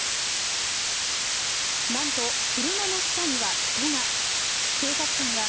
なんと、車の下には人が。